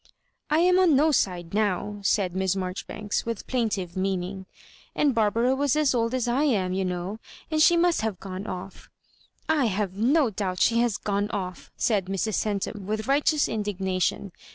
" I am on no side Twt^;," said Miss Maijoribanks, with plaintive meaning; "and Barbara was as old as I am, you know, and she must have gone off." " I have no doubt she has gone off," said Mrs. Centum, with righteous indignation.